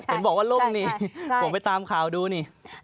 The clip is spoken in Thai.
เห็นบอกว่าล่มนี่ผมไปตามข่าวดูนี่